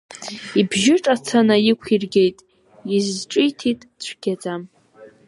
Ибжьы ҿаца наиқәиргеит, изҿиҭит цәгьаӡа.